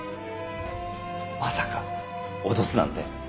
まさか脅すなんて。